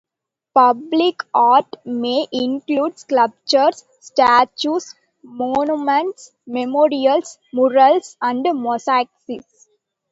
Public art may include sculptures, statues, monuments, memorials, murals and mosaics.